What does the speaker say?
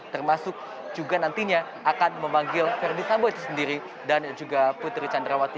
termasuk juga nantinya akan memanggil verdi sambo itu sendiri dan juga putri candrawati